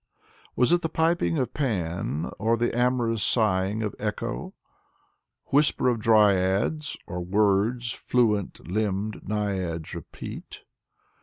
Was it the piping of Pan or the amorous sighing of Echo ? Whisper of dryads, or words fluent limbed naiads repeat